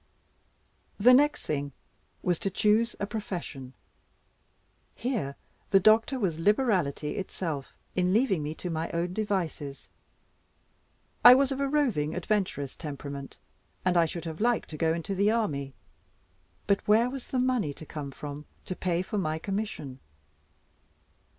The next thing was to choose a profession. Here the Doctor was liberality itself, in leaving me to my own devices. I was of a roving adventurous temperament, and I should have liked to go into the army. But where was the money to come from, to pay for my commission?